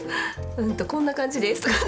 こんな感じですとか言って。